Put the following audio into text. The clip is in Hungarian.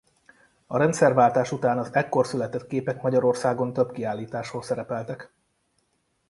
A rendszerváltás után az ekkor született képek Magyarországon több kiállításon szerepeltek.